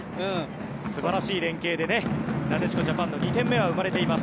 素晴らしい連係でなでしこの２点目は生まれています。